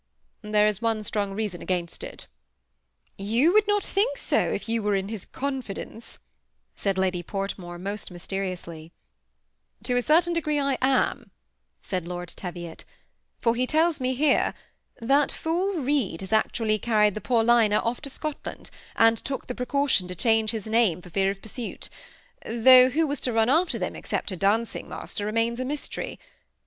"There is one strong reason against it" "You would not think so if you were in his confidence," said Lady Portmore, most mysteriously. 128 THE SEMI ATTACHED COUPLE. " To a certain degree I am," said Lord Teviot, " for he tells me here ^ That fool Reid has actually carried the Paulina off to Scotland, and took the precaution to change his name for fear of pursuit, though who was to run afler them except her dancing master, remains a mjsterj.